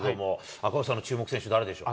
赤星さんの注目選手、誰でしょう。